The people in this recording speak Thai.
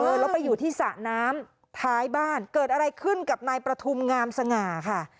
แล้วไปอยู่ที่สระน้ำท้ายบ้านเกิดอะไรขึ้นกับนายประทุมงามสง่าค่ะ